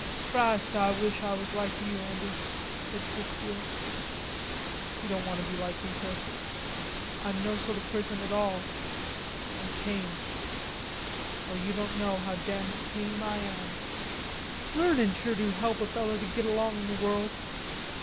"Christ, Ah wish Ah was like you, Andy," said Chrisfield. "You don't want to be like me, Chris. I'm no sort of a person at all. I'm tame. O you don't know how damn tame I am." "Learnin' sure do help a feller to git along in the world."